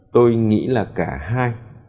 tôi nghĩ là cả hai